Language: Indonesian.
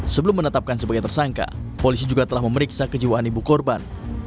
sebelum menetapkan sebagai tersangka polisi juga telah memeriksa kejiwaan ibu korban